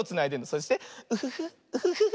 そしてウフフウフフフ。